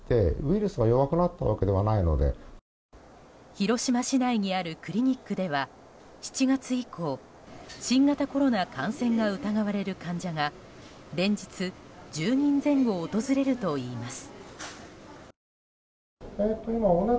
広島市内にあるクリニックでは７月以降、新型コロナ感染が疑われる患者が連日１０人前後訪れるといいます。